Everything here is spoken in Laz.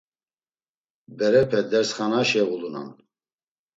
Berepe dersxanaşe ulunan.